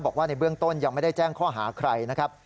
บอกว่าในเบื้องต้นยังไม่ได้แจ้งข้อหาใครนะครับ